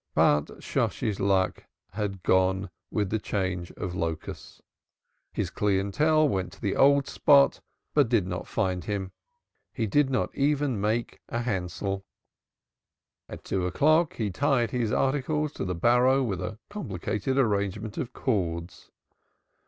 But Shosshi's luck had gone with the change of locus. His clientèle went to the old spot but did not find him. He did not even make a hansel. At two o'clock he tied his articles to the barrow with a complicated arrangement of cords.